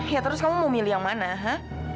ya terus kamu mau milih yang mana ha